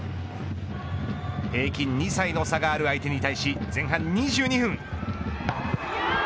平均２歳の差がある相手に対し前半２２分。